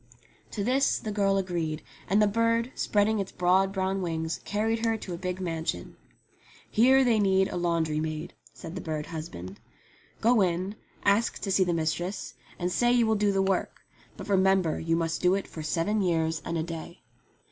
To this the girl agreed, and the bird, spreading its broad brown wings, carried her to a big mansion. "Here they need a laundry maid," said the bird husband. "Go in, ask to see the mistress, and say you will do the work ; but remember you must do it for seven years and a day."